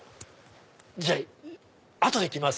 じゃあ後で来ます。